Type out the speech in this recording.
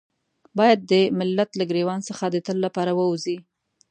بايد د ملت له ګرېوان څخه د تل لپاره ووځي.